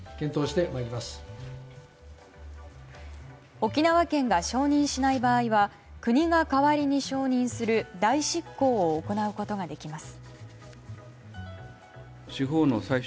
沖縄県が承認しない場合は国が代わりに承認する代執行を行うことができます。